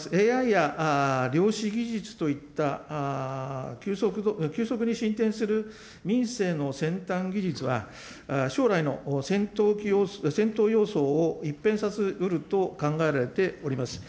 ＡＩや量子技術といった、急速に進展する民政の先端技術は、将来の戦闘様相を一変させうると考えられております。